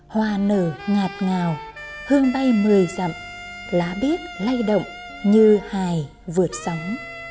hoa nở ngạt ngào hương bay mười dặm lá biếc lay động như hài vượt sóng